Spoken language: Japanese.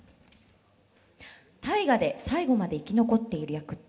「『大河』で最後まで生き残っている役って」。